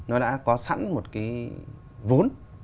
nó đã có sẵn một cái vốn